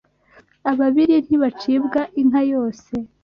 Abababiri ntibacibwa inka yose